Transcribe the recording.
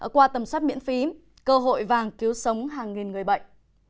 qua tầm soát miễn phí cơ hội vàng cứu sống hàng nghìn người bệnh